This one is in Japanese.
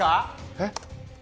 えっ？